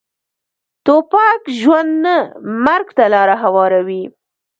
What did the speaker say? توپک ژوند نه، مرګ ته لاره هواروي.